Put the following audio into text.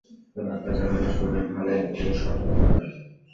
Doctor যেন আমার শরীরের ভালো অঙ্গগুলোর সদ্ব্যবহার করে।